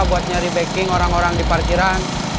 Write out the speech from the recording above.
buat nyari backing orang orang di parkiran